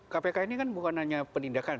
kpk ini kan bukan hanya penindakan